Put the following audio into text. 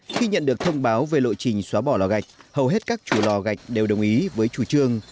khi nhận được thông báo về lộ trình xóa bỏ lò gạch hầu hết các chủ lò gạch đều đồng ý với chủ trương